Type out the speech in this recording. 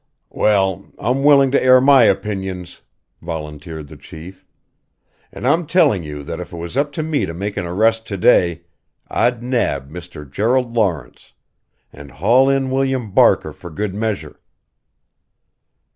"Well I'm willing to air my opinions," volunteered the Chief. "And I'm telling you that if it was up to me to make an arrest to day I'd nab Mr. Gerald Lawrence and haul in William Barker for good measure."